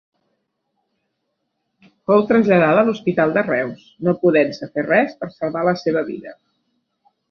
Fou traslladada a l'Hospital de Reus, no podent-se fer res per salvar la seva vida.